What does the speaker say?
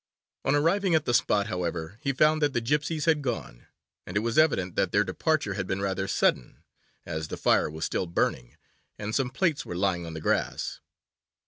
On arriving at the spot, however, he found that the gypsies had gone, and it was evident that their departure had been rather sudden, as the fire was still burning, and some plates were lying on the grass.